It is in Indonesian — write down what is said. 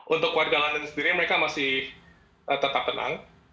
untuk warga london sendiri mereka masih tetap tenang